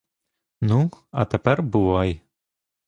Ну, а тепер бувай.